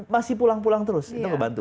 masih pulang pulang terus itu ngebantu